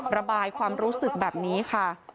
ระบายความรู้สึกแบบนี้ค่ะ